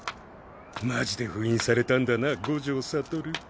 マジで封印されたんだな五条悟。